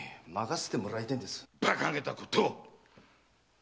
バカげたことをっ！